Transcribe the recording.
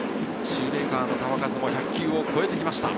シューメーカーの球数も１００球を超えました。